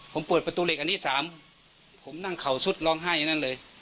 ผมเปิดประตูเหล็กอันที่สามผมนั่งเข่าสุดร้องไห้อันนั้นเลย